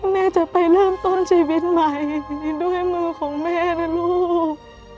แม่จะไปเริ่มต้นชีวิตใหม่ด้วยมือของแม่นะลูก